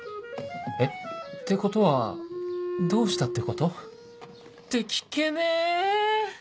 えってことはどうしたってこと？って聞けねえ！